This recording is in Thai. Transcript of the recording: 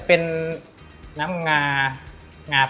มันเป็นมิโซเครื่องเคียงครับผม